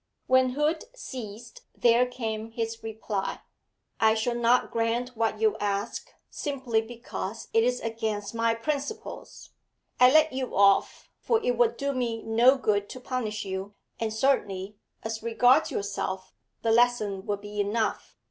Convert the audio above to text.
When Hood ceased, there came this reply. 'I shall not grant what you ask, simply because it is against my principles. I let you off, for it would do me no good to punish you, and certainly, as regards yourself, the lesson will be enough.